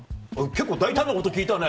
結構大胆なこと聞いたね。